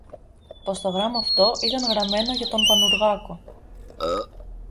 πως το γράμμα αυτό ήταν γραμμένο για τον Πανουργάκο.